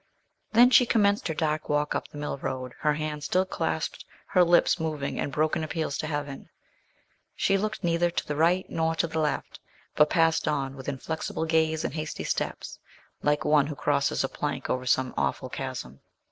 Then she commenced her dark walk up the mill road her hands still clasped, her lips moving in broken appeals to Heaven. She looked neither to the right nor to the left, but passed on with inflexible gaze and hasty steps, like one who crosses a plank over some awful chasm.